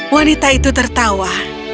wanita itu tertawa